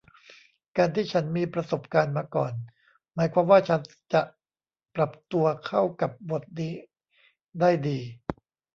การที่ฉันมีประสบการณ์มาก่อนหมายความว่าฉันจะปรับตัวเข้ากับบทนี้ได้ดี